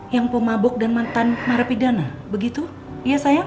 yang pemabok dan mantan marah pidana begitu iya sayang